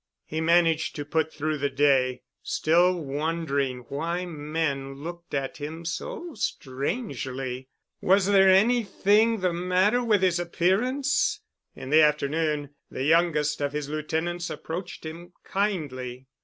He managed to put through the day, still wondering why men looked at him so strangely. Was there anything the matter with his appearance? In the afternoon, the youngest of his Lieutenants approached him kindly.